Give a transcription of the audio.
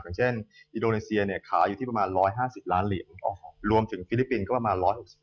อย่างเช่นอินโดนีเซียเนี่ยขายอยู่ที่ประมาณ๑๕๐ล้านเหรียญรวมถึงฟิลิปปินส์ก็ประมาณ๑๖๐